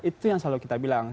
itu yang selalu kita bilang